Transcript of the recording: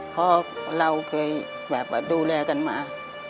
เพราะเราเคยแบบดูแลกันมา